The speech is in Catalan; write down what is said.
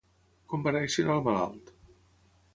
Com va reaccionar el malalt?